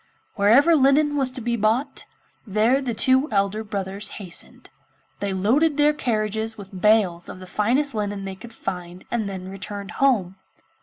Wherever linen was to be bought, there the two elder brothers hastened. They loaded their carriages with bales of the finest linen they could find and then returned home.